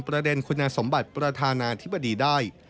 ประเด็นคุณสมบัติประธานาธิบดีได้